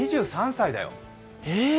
２３歳だよ。